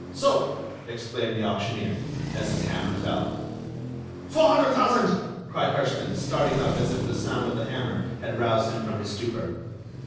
Sold!" exclaimed the auctioneer, as his hammer fell. "Four hundred thousand," cried Herschman, starting up, as if the sound of the hammer had roused him from his stupor.